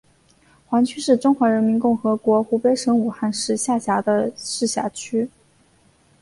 黄区是中华人民共和国湖北省武汉市下辖的市辖区。